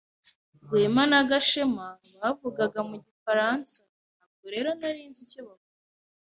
Rwema na Gashema bavugaga mu gifaransa, ntabwo rero nari nzi icyo bavuga.